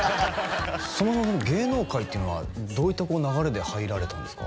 そもそも芸能界っていうのはどういった流れで入られたんですか？